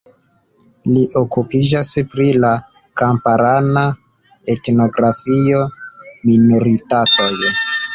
Li okupiĝas pri la kamparana etnografio, minoritatoj.